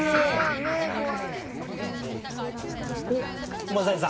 目怖い。